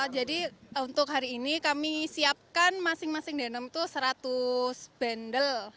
jadi untuk hari ini kami siapkan masing masing denom itu seratus bendel